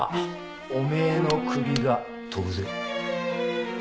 おめぇの首が飛ぶぜ？